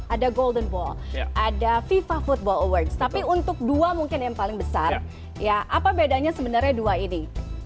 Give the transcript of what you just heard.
ada golden wall ada fifa football awards tapi untuk dua mungkin yang paling besar ya apa bedanya sebenarnya dua ini